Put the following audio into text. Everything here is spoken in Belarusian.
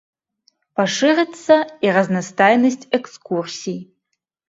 Пашырыцца і разнастайнасць экскурсій.